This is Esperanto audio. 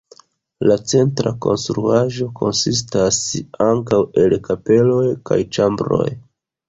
La centra konstruaĵo konsistas ankaŭ el kapeloj kaj ĉambroj.